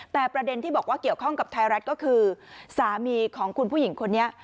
แต่ประเด็นที่บอกว่าเกี่ยวข้องกับไทยรัฐก็คือสามีของคุณผู้หญิงคนนี้